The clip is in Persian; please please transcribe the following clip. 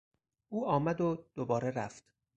او آمد و دوباره رفت.